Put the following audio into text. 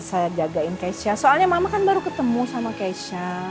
saya jagain keisha soalnya mama kan baru ketemu sama keisha